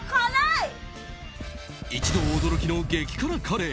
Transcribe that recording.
一同、驚きの激辛カレー